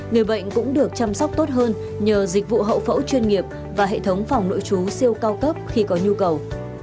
người bệnh cũng được chăm sóc tốt hơn nhờ dịch vụ hậu phẫu chuyên nghiệp và hệ thống phòng nội trú siêu cao cấp khi có nhu cầu